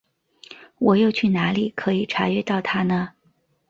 我又去哪里可以查阅到它呢？